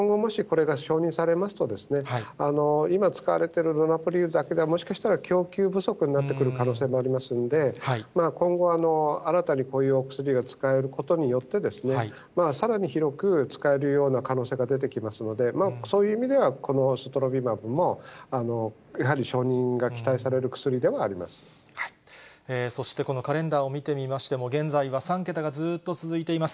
なので、なので、今後もし、これが承認されますと、今使われているロナプリーブだけではもしかしたら供給不足になってくる可能性もありますんで、今後、新たにこういうお薬が使えることによって、さらに広く使えるような可能性が出てきますので、そういう意味では、このソトロビマブもやはり承認が期待される薬そして、このカレンダーを見てみましても、現在は３桁がずっと続いています。